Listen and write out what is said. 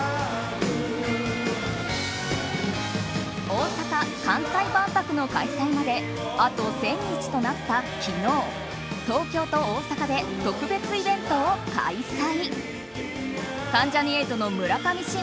大阪・関西万博の開催まであと１０００日となった昨日東京と大阪で特別イベントを開催。